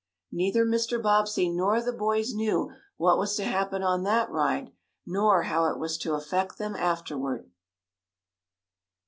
Neither Mr. Bobbsey nor the boys knew what was to happen on that ride, nor how it was to affect them afterward.